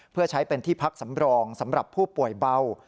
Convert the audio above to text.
เพื่อใช้เป็นที่พักสำรองสำหรับผู้ป่วยเบา